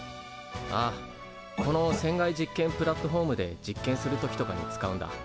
ああこの船外実験プラットフォームで実験する時とかに使うんだ。